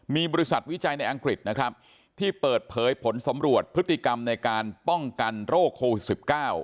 มีบริษัทวิจัยในอังกฤษนะครับที่เปิดเผยผลสำรวจพฤติกรรมในการป้องกันโรคโควิด๑๙